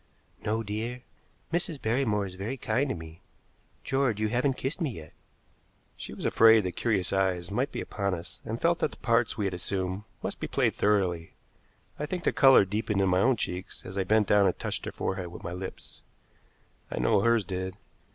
"No, dear. Mrs. Barrymore is very kind to me. George, you haven't kissed me yet." She was afraid that curious eyes might be upon us, and felt that the parts we had assumed must be played thoroughly. I think the color deepened in my own cheeks as I bent and touched her forehead with my lips. I know hers did.